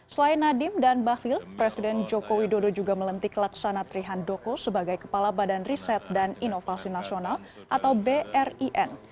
selain nadiem dan bahlil presiden joko widodo juga melantik laksana trihandoko sebagai kepala badan riset dan inovasi nasional atau brin